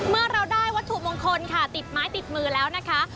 เมื่อเราได้วัตถุมงคลค่ะติดไม้ติดมือแล้วนะคะ